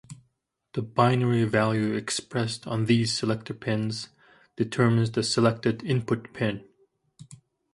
The binary value expressed on these selector pins determines the selected input pin.